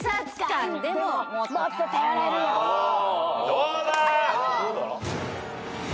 どうだ？